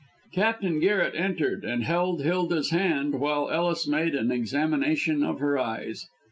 Captain Garret entered, and held Hilda's hand while Ellis made an examination of her eyes.